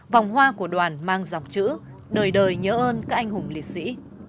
vòng hoa của đoàn mang dòng chữ đời đời nhớ ơn các anh hùng liệt sĩ